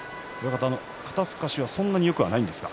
肩すかしはそんなによくないですか。